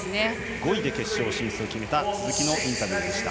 ５位で決勝進出を決めた鈴木のインタビューでした。